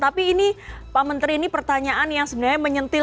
tapi ini pak menteri ini pertanyaan yang sebenarnya menyentil